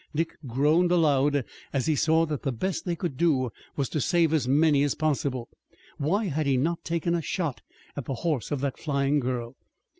Dick groaned aloud as he saw that the best they could do was to save as many as possible. Why had he not taken a shot at the horse of that flying girl?